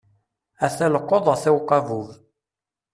Ata lqeḍ, ata uqabub.